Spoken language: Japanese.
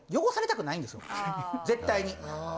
汚されたくないんですよ絶対に。